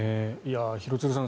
廣津留さん